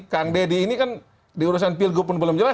kang deddy ini kan diurusan pilgub pun belum jelas